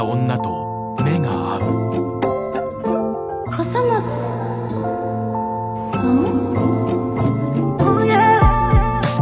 笠松さん？